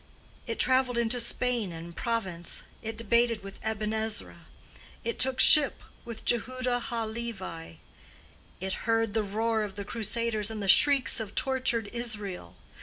It traveled into Spain and Provence; it debated with Aben Ezra; it took ship with Jehuda ha Levi; it heard the roar of the Crusaders and the shrieks of tortured Israel.